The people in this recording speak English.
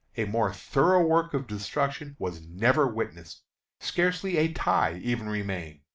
A more thorough work of destruction was never witnessed. Scarcely a tie even remained.